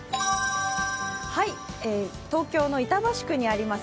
東京の板橋区にあります